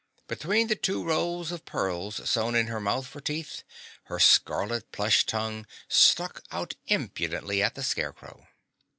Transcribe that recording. Between the two rows of pearls sewn in her mouth for teeth, her scarlet plush tongue stuck out impudently at the Scarecrow.